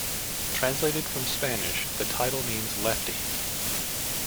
Translated from Spanish, the title means Lefty.